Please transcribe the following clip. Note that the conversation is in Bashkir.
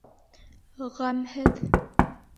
Ғәмһеҙ!